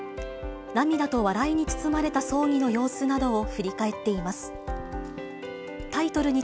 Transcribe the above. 涙と笑いに包まれた葬儀の様子などを振り返っています。